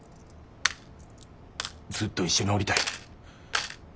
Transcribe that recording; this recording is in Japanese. ずっと一緒におりたい。